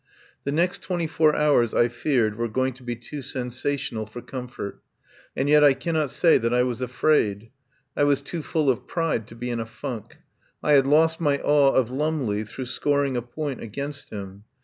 The next twenty four hours, I feared, were going to be too sensational for comfort. And yet I cannot say that I was afraid. I was too full of pride to be in a funk. I had lost my awe of Lumley through scoring a point against him.